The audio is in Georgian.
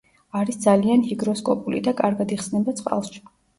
არის ძალიან ჰიგროსკოპული და კარგად იხსნება წყალში.